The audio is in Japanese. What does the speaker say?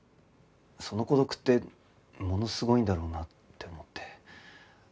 その孤独ってものすごいんだろうなって思って。